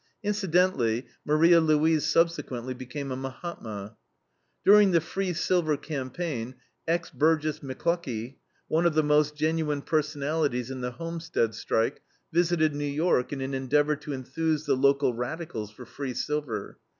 Incidentally, Maria Louise subsequently became a Mahatma. During the free silver campaign, ex Burgess McLuckie, one of the most genuine personalities in the Homestead strike, visited New York in an endeavor to enthuse the local radicals for free silver.